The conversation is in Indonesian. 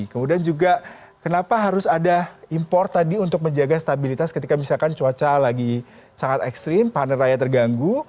kemudian juga kenapa harus ada impor tadi untuk menjaga stabilitas ketika misalkan cuaca lagi sangat ekstrim panen raya terganggu